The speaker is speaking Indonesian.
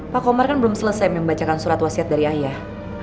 pak komar kan belum selesai membacakan surat wasiat dari ayah